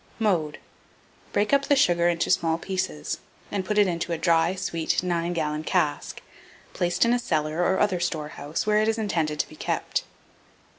Mode. Break up the sugar into small pieces, and put it into a dry, sweet 9 gallon cask, placed in a cellar or other storehouse, where it is intended to be kept.